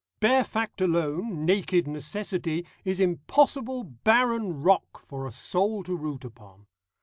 Bare fact alone, naked necessity, is impossible barren rock for a soul to root upon.